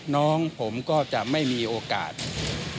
น้องผมก็จะไม่มีโอกาส